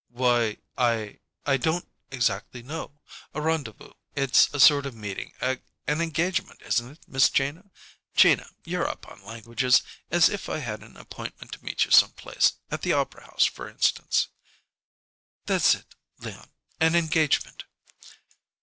"Why, I I don't exactly know. A rendezvous it's a sort of meeting, an engagement, isn't it, Miss Gina? Gina? You're up on languages. As if I had an appointment to meet you some place at the opera house, for instance." "That's it, Leon an engagement."